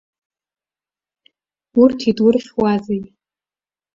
Урҭ идурхьуазеи.